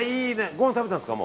ごはん食べたんですか？